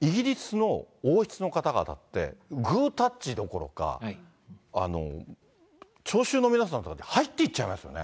イギリスの王室の方々って、グータッチどころか、聴衆の皆さんの中に入っていっちゃいますよね。